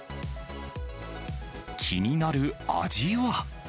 気になる味は。